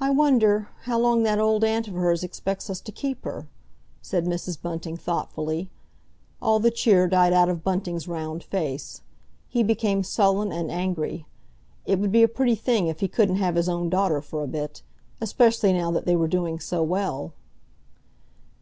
"I wonder, how long that old aunt of hers expects us to keep her?" said Mrs. Bunting thoughtfully. All the cheer died out of Bunting's round face. He became sullen and angry. It would be a pretty thing if he couldn't have his own daughter for a bit—especially now that they were doing so well!